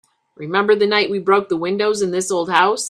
Remember the night we broke the windows in this old house?